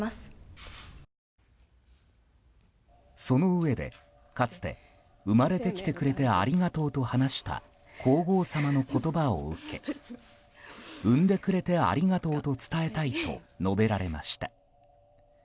そのうえで、かつて生まれてきてくれてありがとうと話した皇后さまの言葉を受け生んでくれてありがとうと伝えたいと述べられました。